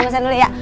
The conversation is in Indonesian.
lu pesen dulu ya